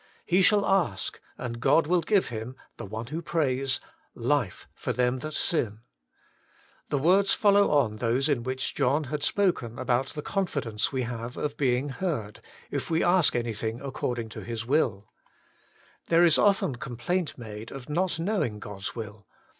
He shall ask, and God will give him (the one who prays) life for them that sin. The words follow on those in which John had spoken about the confidence we have of being heard, if we ask anything according to His zvilL There is often complaint made of not knowing God's will.